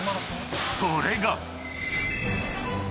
［それが］